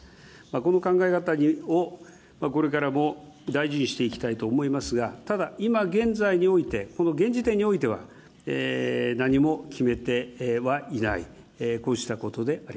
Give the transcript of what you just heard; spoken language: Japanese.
この考え方をこれからも大事にしていきたいと思いますが、ただ、今現在において、この現時点においては、何も決めてはいない。